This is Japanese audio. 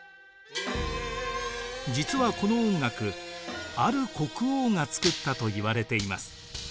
実はこの音楽ある国王が作ったといわれています。